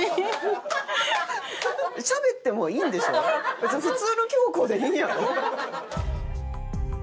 別に普通の京子でいいんやろ？